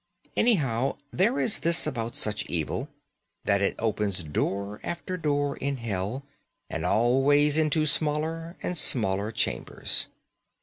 Anyhow, there is this about such evil, that it opens door after door in hell, and always into smaller and smaller chambers.